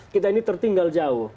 kita ini tertinggal jauh